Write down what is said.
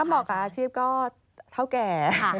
เหมาะกับอาชีพก็เท่าแก่